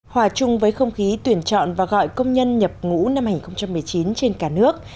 hòa chung với không khí tuyển chọn và gọi công nhân nhập ngũ năm hai nghìn một mươi chín trên cả nước